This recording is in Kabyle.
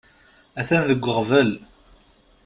Atan deg uɣbel.